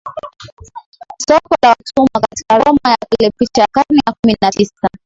Soko la watumwa katika Roma ya Kale picha ya karne ya kumi na tisa